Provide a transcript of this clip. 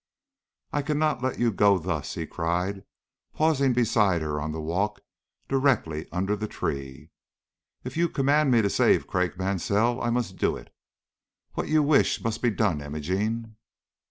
"I cannot let you go thus," he cried, pausing beside her on the walk directly under the tree. "If you command me to save Craik Mansell I must do it. What you wish must be done, Imogene."